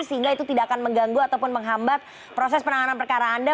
sehingga itu tidak akan mengganggu ataupun menghambat proses penanganan perkara anda